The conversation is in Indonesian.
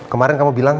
kemarin kamu bilang